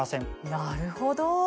なるほど。